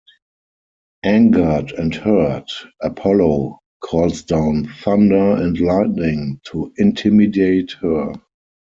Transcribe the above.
Angered and hurt, Apollo calls down thunder and lightning to intimidate her.